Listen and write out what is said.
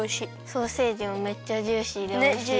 ソーセージもめっちゃジューシーでおいしい。